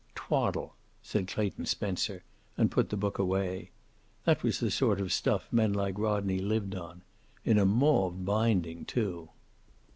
"Twaddle," said Clayton Spencer, and put the book away. That was the sort of stuff men like Rodney lived on. In a mauve binding, too.